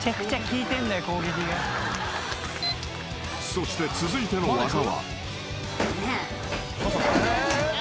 ［そして続いての技は］ねえ。